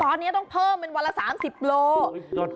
ตอนนี้ต้องเพิ่มอันวันละ๓๐กิโลกรัม